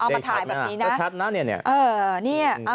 เอามาถ่ายแบบนี้นะ